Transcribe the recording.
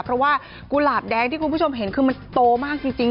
เพราะว่ากุหลาบแดงที่คุณผู้ชมเห็นคือมันโตมากจริง